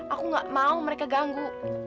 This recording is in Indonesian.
aku gak mau mereka ganggu